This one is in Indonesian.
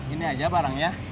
ini aja barangnya